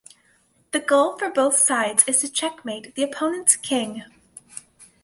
The goal for both sides is to checkmate the opponent's king.